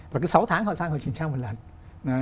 và cứ sáu tháng họ sang hội kiểm tra một lần